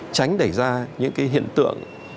tránh đẩy ra những cái hiện tượng